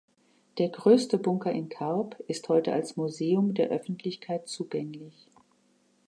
Der größte Bunker in Carp ist heute als Museum der Öffentlichkeit zugänglich.